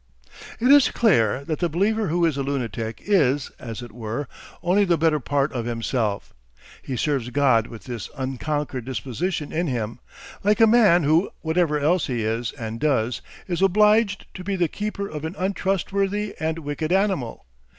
It is clear that the believer who is a lunatic is, as it were, only the better part of himself. He serves God with this unconquered disposition in him, like a man who, whatever else he is and does, is obliged to be the keeper of an untrustworthy and wicked animal.